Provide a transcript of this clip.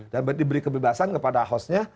dan diberi kebebasan kepada hostnya